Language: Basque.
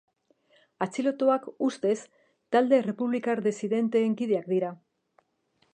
Atxilotuak, ustez, talde errepublikar disidenteen kideak dira.